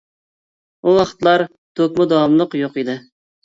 ئۇ ۋاقىتلار توكمۇ داۋاملىق يوق ئىدى.